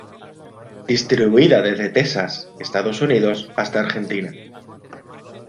Distribuida desde Texas, Estados Unidos hasta Argentina.